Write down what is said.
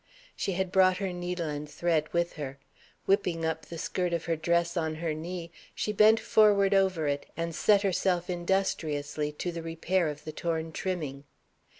She had brought her needle and thread with her. Whipping up the skirt of her dress on her knee, she bent forward over it, and set herself industriously to the repair of the torn trimming.